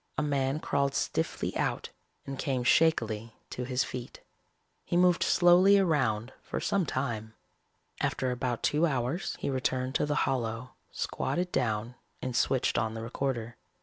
A man crawled stiffly out and came shakily to his feet. He moved slowly around for some time. After about two hours he returned to the hollow, squatted down and switched on the recorder.